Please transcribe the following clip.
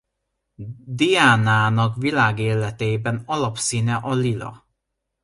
Diánának világ életében alapszíne a lila.